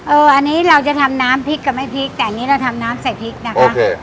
อันนี้เราจะทำน้ำพริกกับไม่พริกแต่อันนี้เราทำน้ำใส่พริกนะคะ